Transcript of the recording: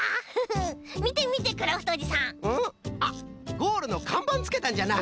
ゴールのかんばんつけたんじゃな。